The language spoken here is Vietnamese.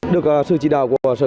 được sự chỉ đạo của sở công ty